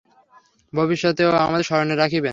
ভবিষ্যতেও আমাকে স্মরণে রাখিবেন।